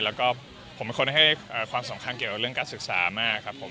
แล้วก็ผมเป็นคนให้ความสำคัญเกี่ยวกับเรื่องการศึกษามากครับผม